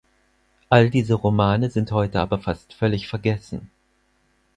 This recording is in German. All diese Romane sind heute aber fast völlig vergessen.